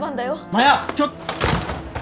マヤちょっ！